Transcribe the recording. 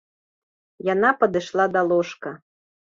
Яна падышла да ложка.